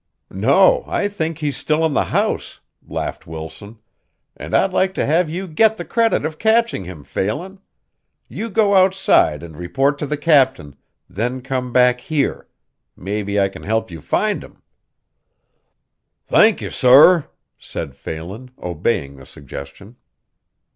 "No, I think he's still in the house," laughed Wilson, "and I'd like to have you get the credit of catching him, Phelan. You go outside and report to the captain, then come back here. Maybe I can help you find him." "Thank ye, sorr," said Phelan, obeying the suggestion.